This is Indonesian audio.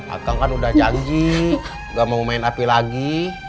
akan udah janji gak mau main api lagi